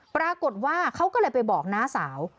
ปรากฏว่าเขาก็เลยไปบอกน้าสาว